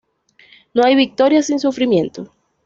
No hay victoria sin sufrimiento